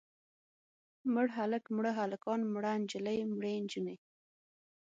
مړ هلک، مړه هلکان، مړه نجلۍ، مړې نجونې.